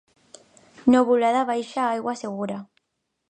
Nuvolada baixa, aigua segura.